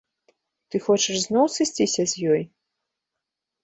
Ты хочаш зноў сысціся з ёй?